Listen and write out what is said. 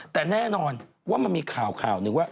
แต่แน่นอนว่ามันมีข่าว